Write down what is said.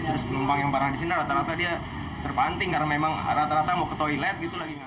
terus penumpang yang barang di sini rata rata dia terpanting karena memang rata rata mau ke toilet gitu lagi